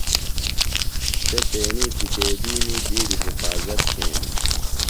سےۡ تیݨی کِتیبِیمی بِیڈیۡ حِفاظت تھینِم۔